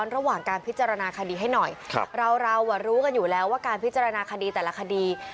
ระหว่างการพิจารณาคดีให้หน่อยเราเรารู้กันอยู่แล้วว่าการพิจารณาคดีแต่ละคดี